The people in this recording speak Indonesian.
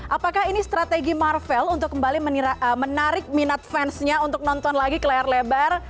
apakah ini strategi marvel untuk kembali menarik minat fansnya untuk nonton lagi ke layar lebar